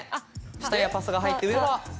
下にはパスが入って上は？